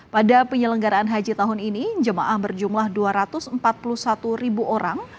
pada penyelenggaraan haji tahun ini jemaah berjumlah dua ratus empat puluh satu ribu orang